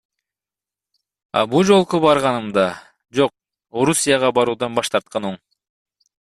А бул жолку барганымда, жок, Орусияга баруудан баш тарткан оң.